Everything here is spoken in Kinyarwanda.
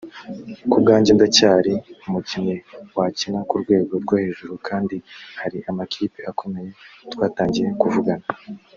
Ku bwanjye ndacyari umukinnyi wakina ku rwego rwo hejuru kandi hari amakipe akomeye twatangiye kuvugana